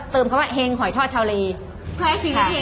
เติมคำว่าเฮงหอยทอดชาวลี